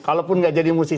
kalaupun tidak jadi musisi